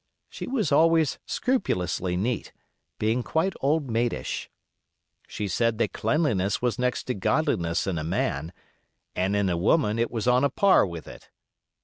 She was always scrupulously neat, being quite old maidish. She said that cleanliness was next to godliness in a man, and in a woman it was on a par with it.